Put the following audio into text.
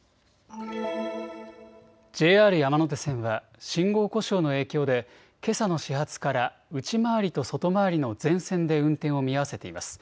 ＪＲ山手線は信号故障の影響でけさの始発から内回りと外回りの全線で運転を見合わせています。